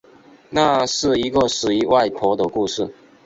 那是一个属于外婆的故事